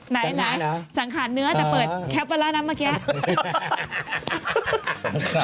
ไหนสังขาดเนื้อแต่เปิดแคปเวลานั้นเมื่อกี้สังขาดเนื้อ